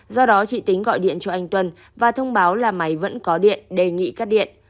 do đó chị tính gọi điện cho anh tuân và thông báo là máy vẫn có điện đề nghị cắt điện